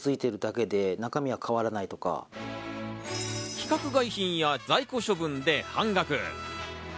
規格外品や在庫処分で半額。